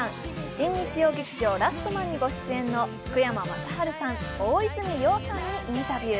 新日曜劇場「ラストマン」にご出演の福山雅治さん、大泉洋さんにインタビュー。